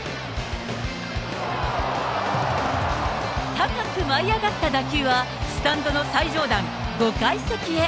高く舞い上がった打球は、スタンドの最上段、５階席へ。